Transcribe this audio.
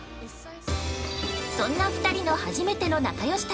そんな２人の初めての仲良し旅。